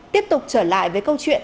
tiếp tục trở lại với câu chuyện